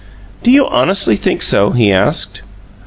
"Do you honestly think so?" he asked.